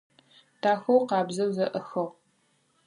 Дахэу, къабзэу зэӏэхыгъ.